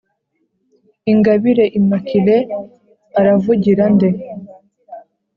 Ingabire Immaculée aravugira nde?